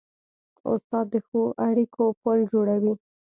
استاد د ښو اړیکو پل جوړوي.